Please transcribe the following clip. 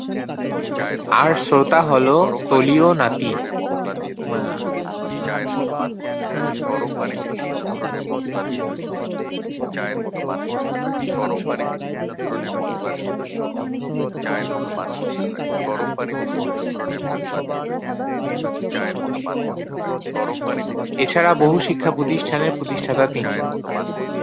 এছাড়া বহু শিক্ষাপ্রতিষ্ঠানের প্রতিষ্ঠাতা তিনি।